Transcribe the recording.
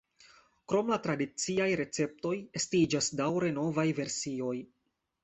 Krom la tradiciaj receptoj estiĝas daŭre novaj versioj.